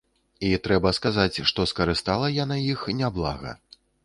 І трэба сказаць, што скарыстала яна іх няблага.